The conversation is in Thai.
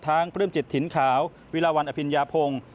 ทั้งพรึ่มจิตถิ่นขาววิลาวันอภิญาพงศ์